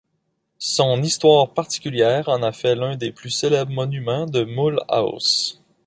Son histoire particulière en a fait l'un des plus célèbres monuments de Mulhouse.